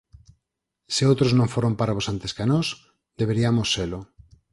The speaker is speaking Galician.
Se outros non foron parvos antes ca nós, deberiamos selo.